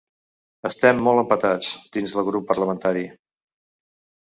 Estem molt empatats, dins el grup parlamentari.